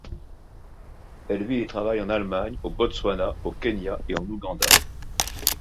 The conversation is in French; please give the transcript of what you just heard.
Elle vit et travaille en Allemagne, au Botswana, au Kenya et en Ouganda.